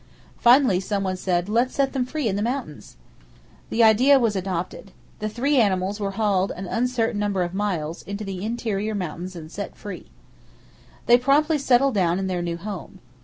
Finally some one said, "Let's set them free in the mountains!" The idea was adopted. The three animals were hauled an uncertain number of miles into the interior mountains and set free. They promptly settled down in their new home.